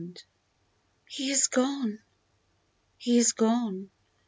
28 HE is gone ! He is gone